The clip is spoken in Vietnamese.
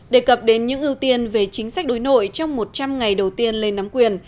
đề cập đến những ưu tiên về chính sách đối nội trong một trăm linh ngày đầu tiên lên nắm quyền